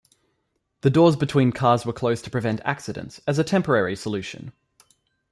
The doors between cars were closed to prevent accidents as a temporary solution.